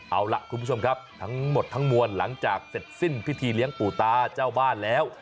เอาล่ะคุณผู้ชมครับทั้งหมดทั้งมวลหลังจากเสร็จสิ้นพิธีเลี้ยงปู่ตาเจ้าบ้านแล้ว